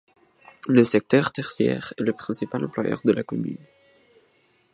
Le secteur tertiaire est le principal employeur de la commune.